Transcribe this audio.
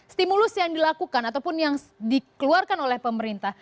stimulus yang dilakukan ataupun yang dikeluarkan oleh pemerintah